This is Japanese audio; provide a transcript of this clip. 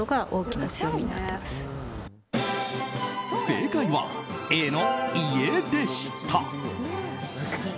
正解は、Ａの家でした。